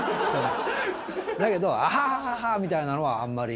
だけど、あはははは！みたいなのは、あんまり。